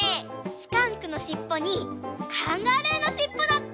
スカンクのしっぽにカンガルーのしっぽだって！